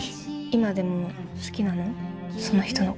今でも好きなの？